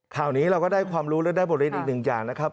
ข่าวนี้เราก็ได้ความรู้และได้บทเรียนอีกหนึ่งอย่างนะครับ